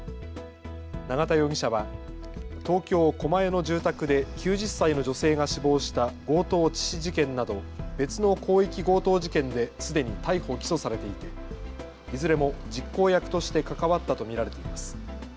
永田容疑者は東京狛江の住宅で９０歳の女性が死亡した強盗致死事件など別の広域強盗事件ですでに逮捕・起訴されていていずれも実行役として関わったと見られています。